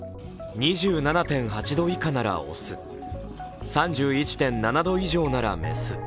２７．８度以下なら雄３１．７度以上なら雌。